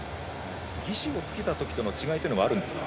義手をつけたときとの違いはあるんですか？